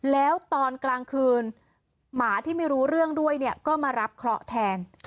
แล้วตอนกลางคืนหมาที่ไม่รู้เรื่องด้วยเนี่ยก็มารับเคราะห์แทน